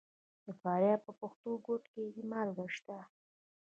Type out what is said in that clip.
د فاریاب په پښتون کوټ کې مالګه شته.